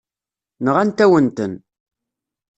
Nɣant-awen-ten.